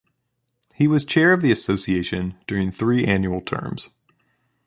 He was chair of the Association during three annual terms.